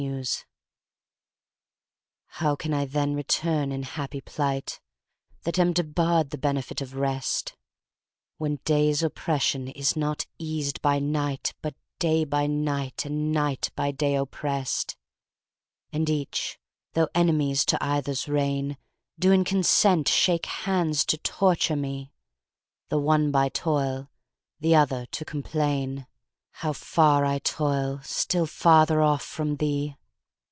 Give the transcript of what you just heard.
XXVIII How can I then return in happy plight, That am debarre'd the benefit of rest? When day's oppression is not eas'd by night, But day by night and night by day oppress'd, And each, though enemies to either's reign, Do in consent shake hands to torture me, The one by toil, the other to complain How far I toil, still farther off from thee.